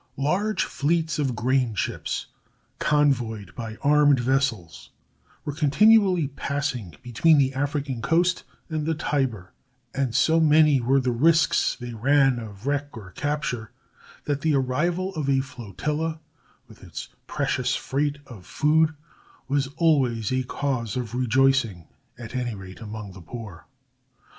Large fleets of grain ships, convoyed by armed vessels, were continually passing between the African coast and the Tiber, and so many were the risks they ran of wreck or capture, that the arrival of a flotilla with its precious freight of food was always a cause of rejoicing, at any rate, among the poor.